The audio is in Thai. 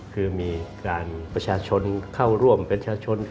คือมีการประชาชนเข้าร่วมประชาชน